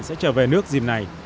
sẽ trở về nước dìm này